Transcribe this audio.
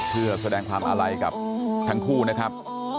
เพื่อแสดงความอาลัยกับทั้งคู่นะครับ